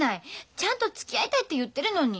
ちゃんとつきあいたいって言ってるのに。